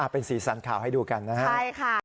เป็นสีสันข่าวให้ดูกันนะครับใช่ค่ะ